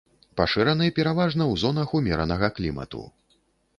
Пашыраны пераважна ў зонах умеранага клімату.